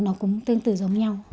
nó cũng tương tự giống nhau